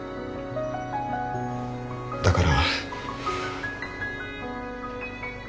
だから。